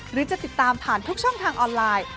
หรือจะติดตามผ่านทุกช่องทางออนไลน์